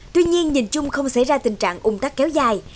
tuy nhiên nhìn chung không xảy ra tình trạng ung tắc kéo dài